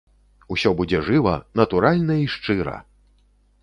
Усё будзе жыва, натуральна і шчыра!